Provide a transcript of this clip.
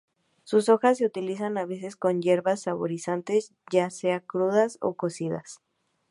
Sus hojas se utilizan a veces como hierbas saborizantes, ya sea crudas o cocidas.